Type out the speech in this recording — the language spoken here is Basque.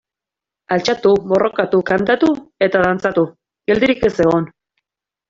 Altxatu, borrokatu, kantatu eta dantzatu, geldirik ez egon.